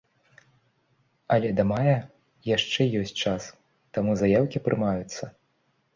Але да мая яшчэ ёсць час, таму заяўкі прымаюцца.